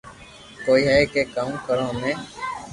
ڪوئي ھي ڪي ڪاو ڪرو امي